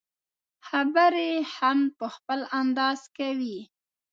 خبرې هم په خپل انداز کوي.